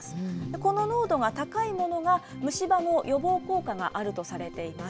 この濃度が高いものが、虫歯の予防効果があるとされています。